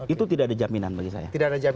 itu tidak ada jaminan bagi saya